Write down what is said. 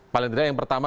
paling tidak yang pertama